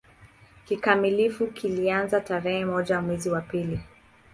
Kikamilifu kilianza tarehe moja mwezi wa pili